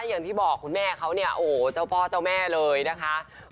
อย่างที่บอกคุณแม่เขาเนี่ยโอ้โหเจ้าพ่อเจ้าแม่เลยนะคะ